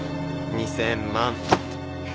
２，０００万